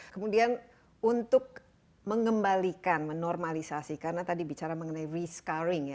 kemudian untuk mengembalikan menormalisasi karena tadi bicara mengenai rescarring ya